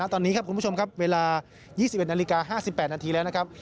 ตอนนี้ครับคุณผู้ชมครับเวลา๒๑นาฬิกา๕๘นาทีแล้วนะครับ